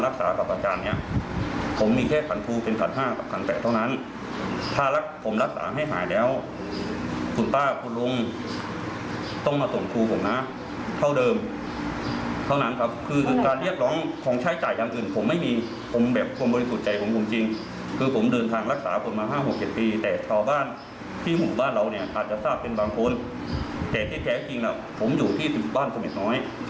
ก็คือแท้เราเนี่ยอาจได้ทราบเป็นบางคนค่ะเหตุจริงคนก็อยู่ที่บ้านชะมัดน้อย